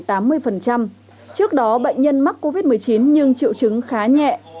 trước đó bệnh nhân mắc covid một mươi chín nhưng triệu chứng khá nhẹ